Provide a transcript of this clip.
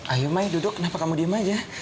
ayo mai duduk kenapa kamu diem aja